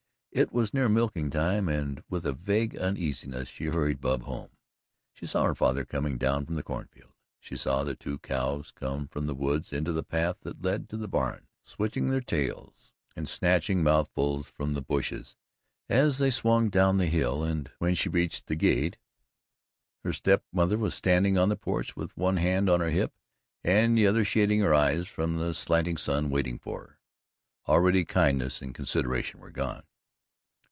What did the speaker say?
It was near milking time, and with a vague uneasiness she hurried Bub home. She saw her father coming down from the cornfield. She saw the two cows come from the woods into the path that led to the barn, switching their tails and snatching mouthfuls from the bushes as they swung down the hill and, when she reached the gate, her step mother was standing on the porch with one hand on her hip and the other shading her eyes from the slanting sun waiting for her. Already kindness and consideration were gone.